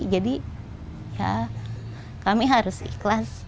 jadi kami harus ikhlas